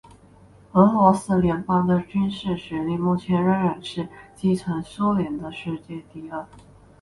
俄罗斯联邦的军事实力目前仍然是继承苏联的世界第二。